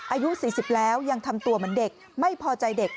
อายุ๔๐แล้วยังทำตัวเหมือนเด็กไม่พอใจเด็ก